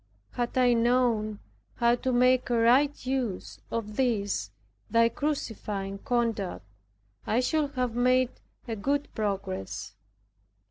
Had I known how to make a right use of this thy crucifying conduct, I should have made a good progress.